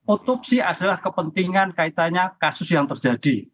otopsi adalah kepentingan kaitannya kasus yang terjadi